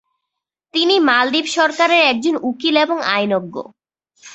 তিনি মালদ্বীপ সরকারের একজন উকিল এবং আইনজ্ঞ।